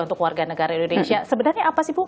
untuk warga negara indonesia sebenarnya apa sih bu